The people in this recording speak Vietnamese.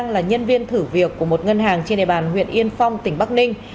là nhân viên thử việc của một ngân hàng trên địa bàn huyện yên phong tỉnh bắc ninh